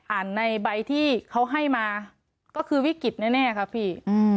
ในใบที่เขาให้มาก็คือวิกฤตแน่ครับพี่